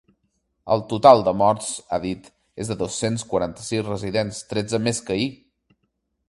El total de morts, ha dit, és de dos-cents quaranta-sis residents, tretze més que ahir.